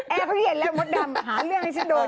เขาเห็นแล้วมดดำหาเรื่องให้ฉันโดน